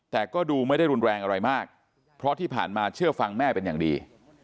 แต่ก็ดูไม่ได้รุนแรงอะไรมากเพราะที่ผ่านมาเชื่อฟังแม่เป็นอย่างดี